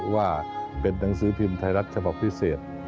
ว่าเป็นหนังสือพิมพ์ไทยรัฐฉบับพิเศษ